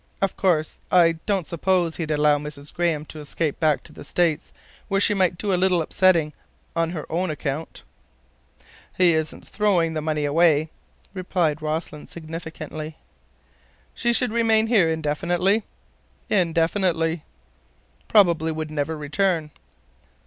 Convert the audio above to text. "Of course, I don't suppose he'd allow Mrs. Graham to escape back to the States—where she might do a little upsetting on her own account?" "He isn't throwing the money away," replied Rossland significantly. "She would remain here indefinitely?" "Indefinitely." "Probably never would return."